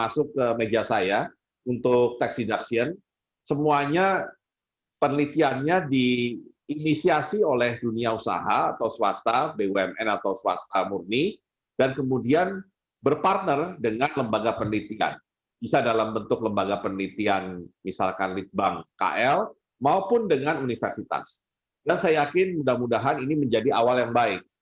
saya yakin mudah mudahan ini menjadi awal yang baik